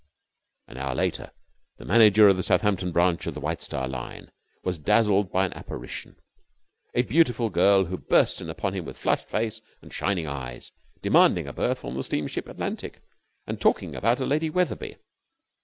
An hour later the manager of the Southampton branch of the White Star Line was dazzled by an apparition, a beautiful girl who burst in upon him with flushed face and shining eyes, demanding a berth on the steamship Atlantic and talking about a Lady Wetherby.